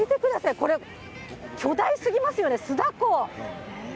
これ、巨大すぎますよね、酢だこ。